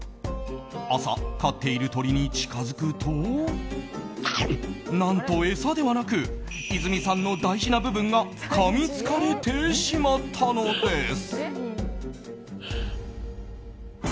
朝、飼っている鳥に近づくと何と餌ではなく泉さんの大事な部分がかみつかれてしまったのです。